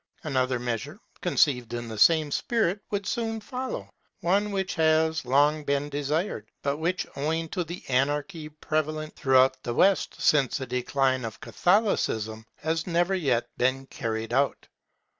[International coinage] Another measure, conceived in the same spirit, would soon follow, one which has long been desired, but which, owing to the anarchy prevalent throughout the West since the decline of Catholicism, has never yet been carried out.